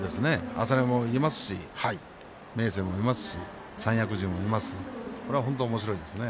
朝乃山もいますし明生もいますし三役陣もいますし本当におもしろいですね。